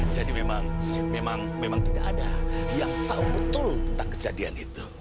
jadi memang memang memang tidak ada yang tahu betul tentang kejadian itu